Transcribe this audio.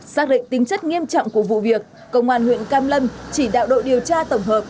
xác định tính chất nghiêm trọng của vụ việc công an huyện cam lâm chỉ đạo đội điều tra tổng hợp